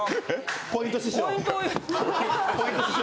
ポイント師匠！